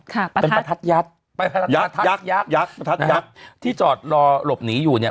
ค่ะเป็นประทัดยัดยักษ์ยักษ์ยักษ์ที่จอดรอหลบหนีอยู่เนี่ย